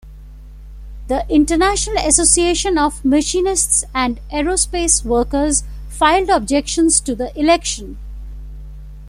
The International Association of Machinists and Aerospace Workers filed objections to the election.